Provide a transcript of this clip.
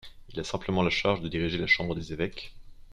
Il a simplement la charge de diriger la chambre des évêques.